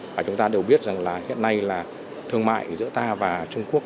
và chúng ta đều biết rằng là hiện nay là thương mại giữa ta và trung quốc